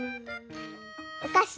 おかし？